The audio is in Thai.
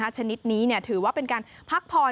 ชนิดนี้ถือว่าเป็นการพักผ่อน